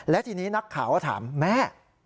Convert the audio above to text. และทีนี้นักข่าวก็ถามแม่